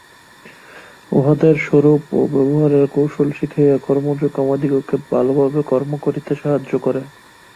উহাদের স্বরূপ ও ব্যবহারের কৌশল শিখাইয়া কর্মযোগ আমাদিগকে ভালভাবে কর্ম করিতে সাহায্য করে।